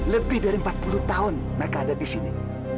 lebih dari empat puluh tahun mereka ada di sini